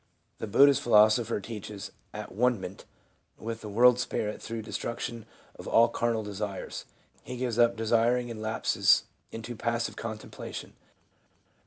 The Buddhist philosopher teaches at one ment with the world spirit through the destruc tion of all carnal desires ; he gives up desiring and lapses into passive contemplation.